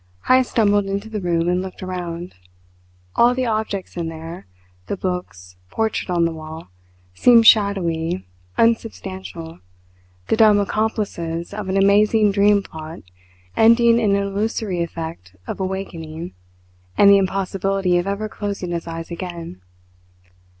Heyst stumbled into the room and looked around. All the objects in there the books, portrait on the wall seemed shadowy, unsubstantial, the dumb accomplices of an amazing dream plot ending in an illusory effect of awakening and the impossibility of ever closing his eyes again.